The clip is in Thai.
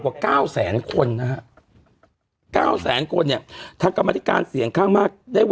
อืมอืมอืมอืมอืม